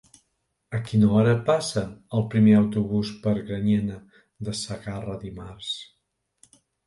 A quina hora passa el primer autobús per Granyena de Segarra dimarts?